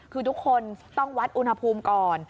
คือทุกคนต้องวัดอุณหภูมิก่อน